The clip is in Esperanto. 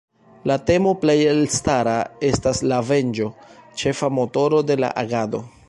La temo plej elstara estas la venĝo, ĉefa motoro de la agado.